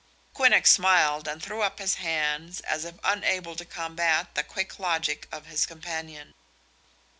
Quinnox smiled and threw up his hands as if unable to combat the quick logic of his companion.